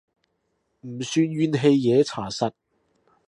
唔算怨氣嘢查實